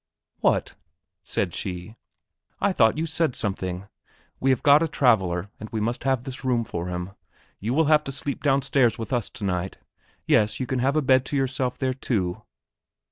"What?" said she, "I thought you said something. We have got a traveller, and we must have this room for him. You will have to sleep downstairs with us tonight. Yes; you can have a bed to yourself there too."